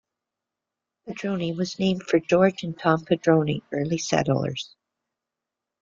Padroni was named for George and Tom Padroni, early settlers.